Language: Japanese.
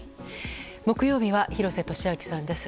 木曜日は廣瀬俊朗さんです。